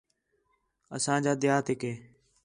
اسان٘ڄ دیہاتیک ہِے